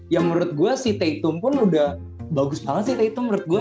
ya menurut gue sih taitum pun udah bagus banget sih itu menurut gue